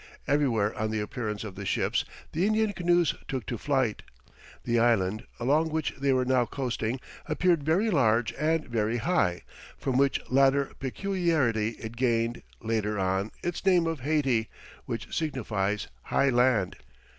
Everywhere on the appearance of the ships, the Indian canoes took to flight. The island, along which they were now coasting, appeared very large and very high, from which latter peculiarity it gained, later on, its name of Hayti, which signifies High Land.